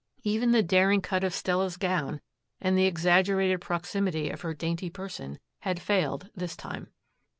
Even the daring cut of Stella's gown and the exaggerated proximity of her dainty person had failed this time.